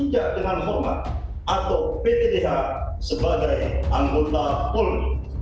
tidak dengan hormat atau ptdh sebagai anggota polri